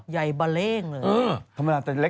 ใหญ่บะเล่งเลย